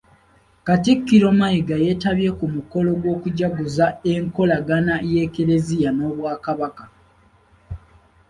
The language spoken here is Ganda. Katikkiro Mayiga yeetabye ku mukolo gw'okujaguza enkolagana y'Eklezia n'Obwakabaka.